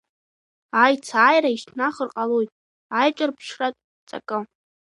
Аицааира ишьҭнахыр ҟалоит аиҿырԥшратә ҵакы.